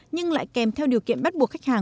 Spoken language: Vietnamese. nhưng lại kèm theo điều kiện bắt buộc khách hàng